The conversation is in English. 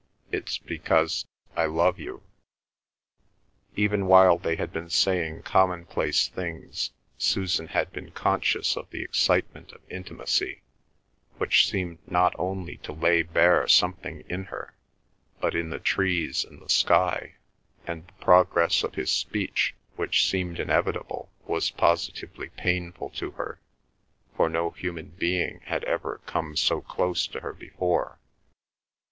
... It's because I love you." Even while they had been saying commonplace things Susan had been conscious of the excitement of intimacy, which seemed not only to lay bare something in her, but in the trees and the sky, and the progress of his speech which seemed inevitable was positively painful to her, for no human being had ever come so close to her before.